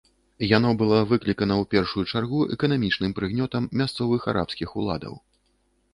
Яно было выклікана ў першую чаргу эканамічным прыгнётам мясцовых арабскіх уладаў.